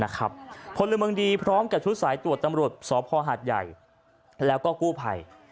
พลเมืองดีพร้อมกับชุดสายตรวจตำรวจสพหาดใหญ่แล้วก็กู้ภัย